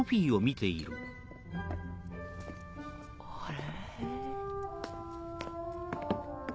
あれ？